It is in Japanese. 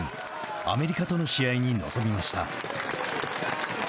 アメリカとの試合に臨みました。